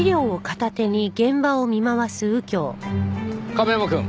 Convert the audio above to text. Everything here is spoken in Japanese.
亀山くん。